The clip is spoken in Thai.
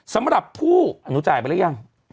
สำหรับผู้หนูจ่ายไปหรือยัง